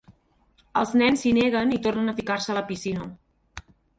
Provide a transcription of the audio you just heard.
Els nens s'hi neguen i tornen a ficar-se a la piscina.